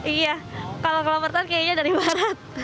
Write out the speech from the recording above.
iya kalau klaper tart kayaknya dari barat